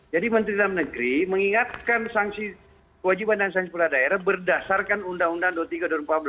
jadi menteri dan negeri mengingatkan sanksi kewajiban dan sanksi kepala daerah berdasarkan undang undang dua puluh tiga dua ribu empat belas